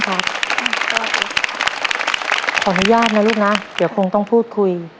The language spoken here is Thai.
ขออนุญาตนะลูกนะเดี๋ยวคงต้องพูดคุย